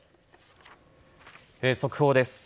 速報です。